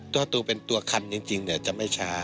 ก็ดูเป็นตัวคันจริงจะไม่ช้า